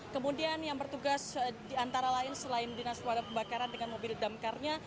kemudian yang bertugas diantara lain selain dinas pemadam kebakaran dengan mobil damkarnya